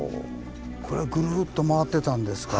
これぐるっと回ってたんですか。